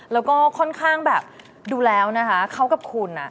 แล้วก็ค่อนข้างแบบดูแล้วนะคะเขากับคุณ